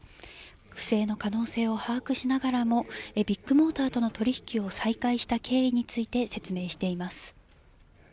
不正の可能性を把握しながらも、ビッグモーターとの取り引きを再開した経緯について説明しています。